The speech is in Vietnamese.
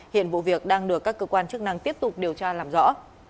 hiện vụ việc đang được các cơ quan chức năng tiếp tục điều tra làm rõ